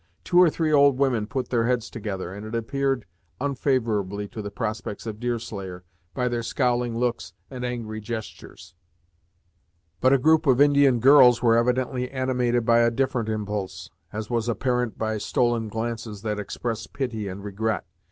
Two or three old women put their heads together, and it appeared unfavorably to the prospects of Deerslayer, by their scowling looks, and angry gestures; but a group of Indian girls were evidently animated by a different impulse, as was apparent by stolen glances that expressed pity and regret.